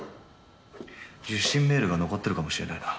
受信メールが残ってるかもしれないな。